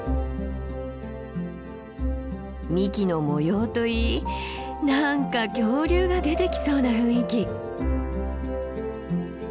幹の模様といい何か恐竜が出てきそうな雰囲気。